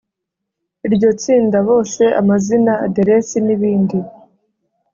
Iryo tsinda bose amazina aderesi n ibindi